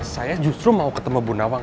saya justru mau ketemu bu nawang